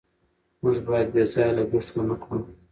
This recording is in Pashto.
موږ باید بې ځایه لګښت ونکړو.